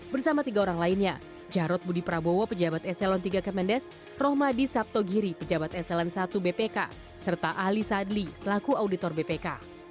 bersama tiga orang lainnya jarod budi prabowo pejabat eselon tiga kemendes rohmadi sabtogiri pejabat eselon i bpk serta ahli sadli selaku auditor bpk